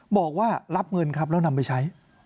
บอกว่ารับเงินครับแล้วนำไปใช้